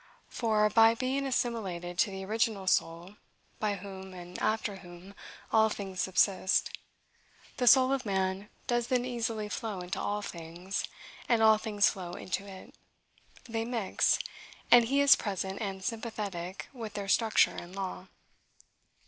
For, by being assimilated to the original soul, by whom, and after whom, all things subsist, the soul of man does then easily flow into all things, and all things flow into it: they mix: and he is present and sympathetic with their structure and law.